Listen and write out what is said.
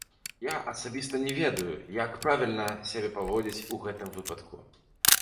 Я асабіста не ведаю, як правільна сябе паводзіць у гэтым выпадку.